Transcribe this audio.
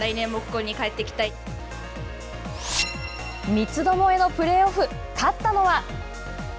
三つどもえのプレーオフ勝ったのは。